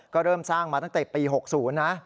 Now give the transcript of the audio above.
ก็เริ่มสร้างมาตั้งแต่ปี๖๐นะ